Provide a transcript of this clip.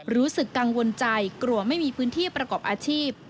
รู้สึกกังวลใจกลัวไม่มีพื้นที่ประกอบอาชีพ